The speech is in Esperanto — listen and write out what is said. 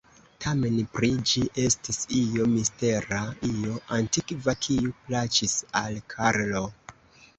Tamen pri ĝi estis io mistera, io antikva, kiu plaĉis al Karlo.